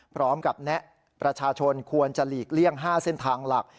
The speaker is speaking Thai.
แนะประชาชนควรจะหลีกเลี่ยง๕เส้นทางหลัก